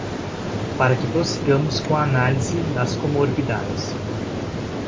Para que prossigamos com a análise das comorbidades